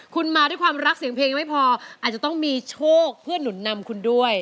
คุณมาด้วยความรักเสียงเพลงยังไม่พออาจจะต้องมีโชคเพื่อหนุนนำคุณด้วย